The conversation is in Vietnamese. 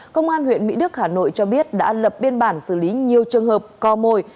công an huyện mỹ đức hà nội cho biết đã lập biên bản xử lý nhiều trường hợp co mồi